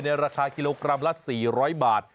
ราคากิโลกรัมละ๔๐๐บาท